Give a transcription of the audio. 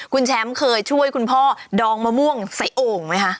คุณแชมป์เคยช่วยคุณพ่อดองมะม่วงใส่โอ่งไหมคะ